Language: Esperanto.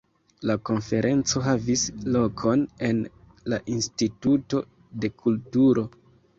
La konferenco havis lokon en la Instituto de Kulturo.